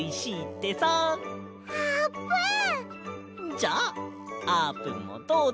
じゃああーぷんもどうぞ。